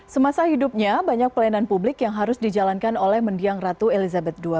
semasa hidupnya banyak pelayanan publik yang harus dijalankan oleh mendiang ratu elizabeth ii